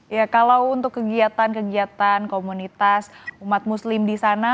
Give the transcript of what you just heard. ya kalau untuk kegiatan kegiatan komunitas umat muslim di sana